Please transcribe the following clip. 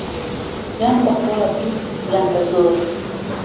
یان به خوا ویست یان بە زۆر